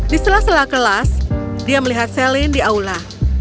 di sela sela kelas dia melihat celine di aula